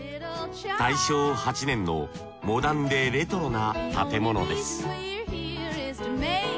大正８年のモダンでレトロな建物です